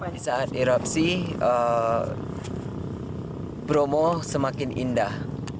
di saat erupsi bromo semakin indah